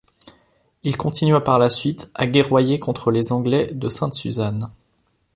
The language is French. Il continua par la suite à guerroyer contre les Anglais de Sainte-Suzanne.